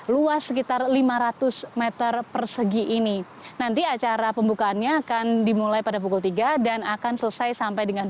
luas sekitar lima ratus m persegi ini nanti acara pembukaannya akan dimulai pada pukul tiga dan akan selesai sampai dengan